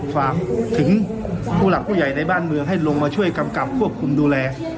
ฝากถึงผู้หลักผู้ใหญ่ในบ้านเมืองให้ลงมาช่วยกำกับควบคุมดูแล